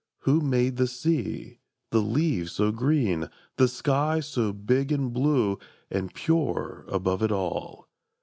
Who made the sea, the leaves so green, the sky So big and blue and pure above it all?